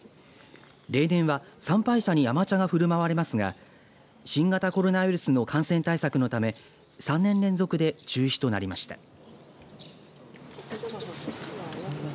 例年は、参拝者に甘茶が振るまわれますが新型コロナウイルスの感染対策のため３年連続で中止となりました。